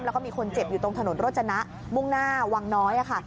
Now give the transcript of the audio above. แล้วก็มีคนเจ็บอยู่ตรงถนนโรจนะมุ่งหน้าวังน้อยค่ะ